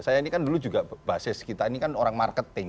saya ini kan dulu juga basis kita ini kan orang marketing